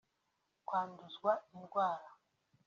Kwanduzwa indwara